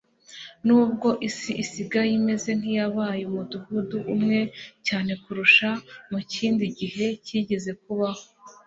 Nubwo isi isigaye imeze nk'iyabaye umudugudu umwe cyane kurusha mu kindi gihe cyigeze kubaho